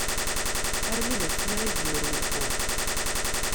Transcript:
Armi d asmi d-yurew lxuf.